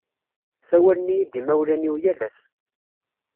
Sawalen-iyi-d imawlan-iw yal ass.